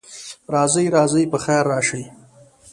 راځئ، راځئ، پخیر راشئ.